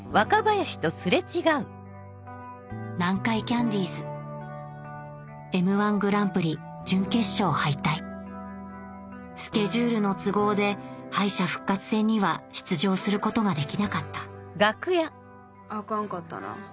南海キャンディーズ『Ｍ−１グランプリ』準決勝敗退スケジュールの都合で敗者復活戦には出場することができなかったあかんかったな。